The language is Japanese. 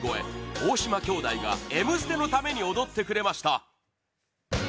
おおしま兄妹が「Ｍ ステ」のために踊ってくれました